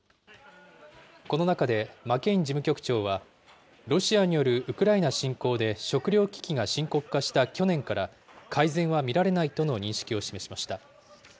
この中でマケイン事務局長は、ロシアによるウクライナ侵攻で食料危機が深刻化した去年から改善は見られないとの認識を示しました。